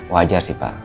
wajar sih pak